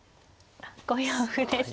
あっ５四歩でした。